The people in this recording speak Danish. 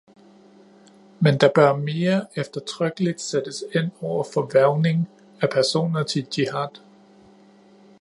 Men der bør mere eftertrykkeligt sættes ind over for hvervning af personer til jihad.